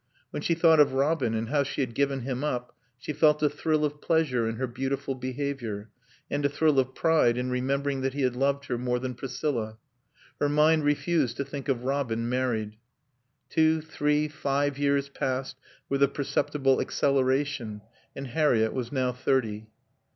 When she thought of Robin and how she had given him up she felt a thrill of pleasure in her beautiful behavior, and a thrill of pride in remembering that he had loved her more than Priscilla. Her mind refused to think of Robin married. Two, three, five years passed, with a perceptible acceleration, and Harriett was now thirty.